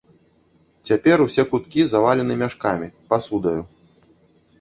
Цяпер усе куткі завалены мяшкамі, пасудаю.